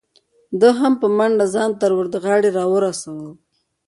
ده هم په منډه ځان تر وردغاړې را ورسو.